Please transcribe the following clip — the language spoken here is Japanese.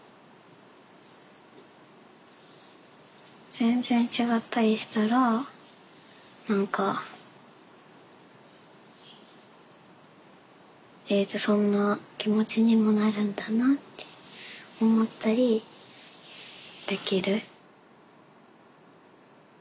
全然違ったりしたら何かそんな気持ちにもなるんだなって思ったりできる。